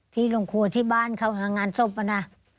ที่โรงครัวที่บ้านเข้างานสบนะ